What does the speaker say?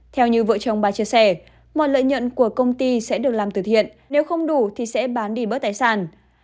theo như vợ chồng bà chia sẻ mọi lợi nhuận của công ty sẽ được làm từ thiện nếu không đủ thì sẽ bán đi bớt tài sản